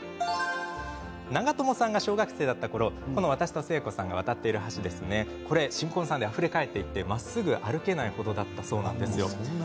長友さんが小学生だったころこの私と誠子さんが渡っている橋は新婚さんであふれかえっていてまっすぐ歩けない程だったそうです。